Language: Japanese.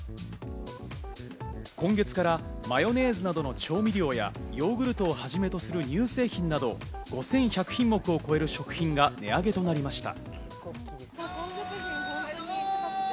今月からマヨネーズなどの調味料やヨーグルトをはじめとする乳製品など、５１００品目を超える食品が値上げとなりました。